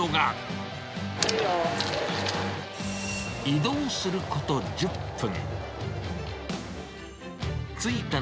移動すること１０分。